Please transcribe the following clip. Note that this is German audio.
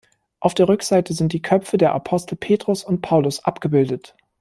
Auf der Rückseite sind die Köpfe der Apostel Petrus und Paulus abgebildet.